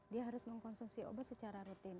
dia harus mengkonsumsi obat secara rutin